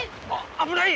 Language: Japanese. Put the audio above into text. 危ない！